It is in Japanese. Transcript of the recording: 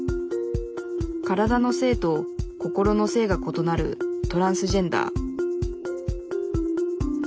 体の性と心の性がことなるトランスジェンダー。